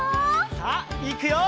さあいくよ！